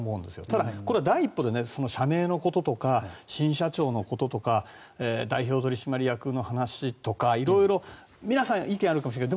ただ、これは第一歩で社名のこととか新社長のこととか代表取締役の話とか色々皆さん意見あるかもしれない。